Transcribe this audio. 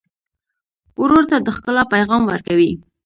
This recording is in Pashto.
ورور ته د ښکلا پیغام ورکوې.